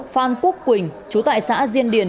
phan quốc quỳnh chú tại xã diên điền